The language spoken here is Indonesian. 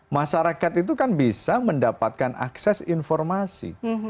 masyarakat itu kan bisa mendapatkan akses informasi